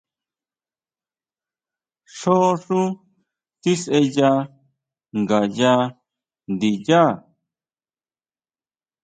Xjó xú tisʼeya ngayá ndiyá.